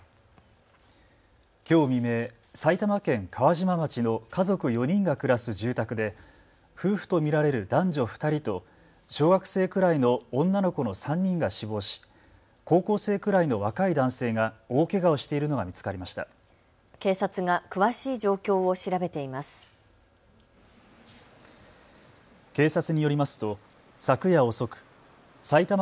きょう未明、埼玉県川島町の家族４人が暮らす住宅で夫婦と見られる男女２人と小学生くらいの女の子の３人が死亡し高校生くらいの若い男性が大けがをしているのが見つかりました。